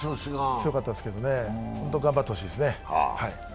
強かったですけどね、ほんと頑張ってほしいです。